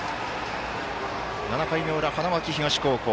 ７回の裏、花巻東高校。